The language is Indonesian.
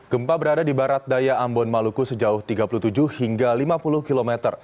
gempa berada di barat daya ambon maluku sejauh tiga puluh tujuh hingga lima puluh km